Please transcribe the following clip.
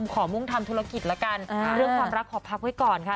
มุ่งทำธุรกิจละกันเรื่องความรักขอพักไว้ก่อนค่ะ